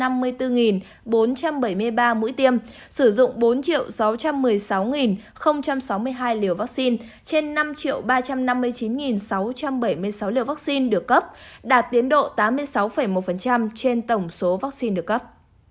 năm mươi bốn bốn trăm bảy mươi ba mũi tiêm sử dụng bốn sáu trăm một mươi sáu sáu mươi hai liều vaccine trên năm ba trăm năm mươi chín sáu trăm bảy mươi sáu liều vaccine được cấp đạt tiến độ tám mươi sáu một trên tổng số vaccine được cấp